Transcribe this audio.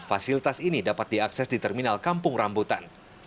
fasilitas ini dapat diakses di terminal kampung rambutan